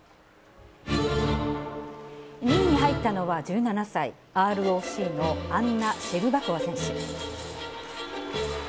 ２位に入ったのは１７歳、ＲＯＣのアンナ・シェルバコワ選手。